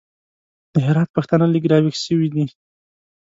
د هرات پښتانه لږ راوېښ سوي دي.